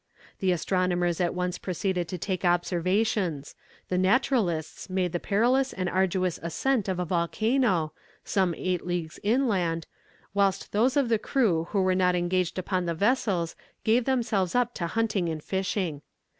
The astronomers at once proceeded to take observations; the naturalists made the perilous and arduous ascent of a volcano, some eight leagues inland; whilst those of the crew who were not engaged upon the vessels gave themselves up to hunting and fishing.